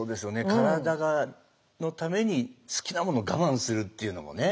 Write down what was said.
体のために好きなもの我慢するっていうのもね。